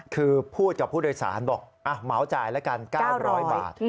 คือพูดกับผู้โดยสารบอกเหมาจ่ายแล้วกัน๙๐๐บาท